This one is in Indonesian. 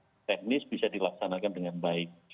supaya secara teknis bisa dilaksanakan dengan baik